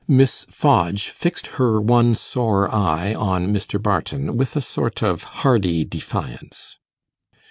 Miss Fodge fixed her one sore eye on Mr. Barton with a sort of hardy defiance.